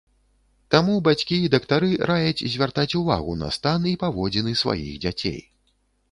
Таму бацькі і дактары раяць звяртаць увагу на стан і паводзіны сваіх дзяцей.